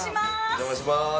お邪魔します。